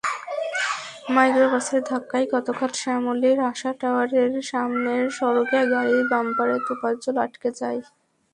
মাইক্রোবাসের ধাক্কায় গতকাল শ্যামলীর আশা টাওয়ারের সামনের সড়কে গাড়ির বাম্পারে তোফাজ্জল আটকে যান।